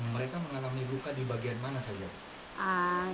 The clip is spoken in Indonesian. mereka mengalami luka di bagian mana saja pak